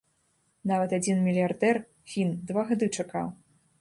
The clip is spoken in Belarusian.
Нават адзін мільярдэр, фін, два гады чакаў.